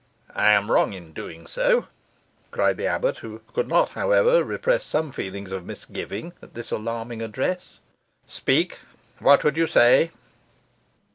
"I am wrong in doing so," cried the abbot, who could not, however, repress some feelings of misgiving at this alarming address. "Speak, what would you say?"